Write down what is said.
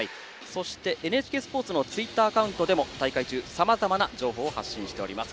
そしてＮＨＫスポーツのツイッターアカウントでも大会中、さまざまな情報を発信しております。